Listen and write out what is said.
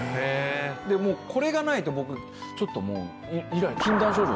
もうこれがないと僕ちょっともう。